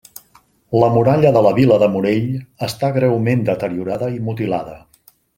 La Muralla de la vila de Morell està greument deteriorada i mutilada.